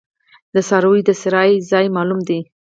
د څارویو د څرائ ځای معلوم دی؟